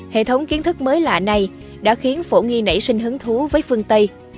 hệ thống kiến thức mới lạ này đã khiến phổ nghi nảy sinh hứng thú với phương tây